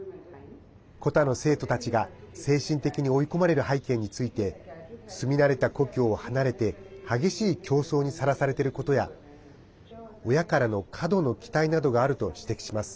コタの生徒たちが精神的に追い込まれる背景について住み慣れた故郷を離れて激しい競争にさらされていることや親からの過度の期待などがあると指摘します。